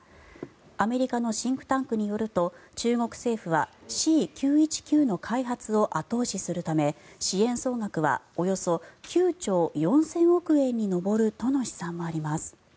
アメリカのシンクタンクによると中国政府はＣ９１９の開発を後押しするため支援総額はおよそ９兆４０００億円に上るとの試算もあります。